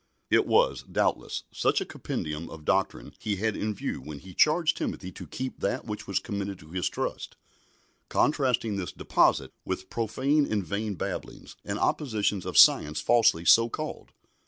" It was, doubtless, such a compendium of doctrine he had in view when he charged Timothy to "keep that which was committed to his trust," contrasting this "deposit" with "profane and vain babblings, and oppositions of science falsely so called."